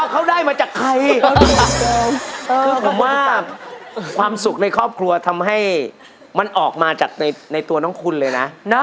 ถ้าหากว่ามันจะซวยให้มันซวยไปด้วยกัน